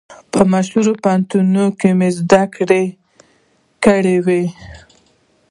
په مشهورو پوهنتونو کې مې زده کړې کړې وې.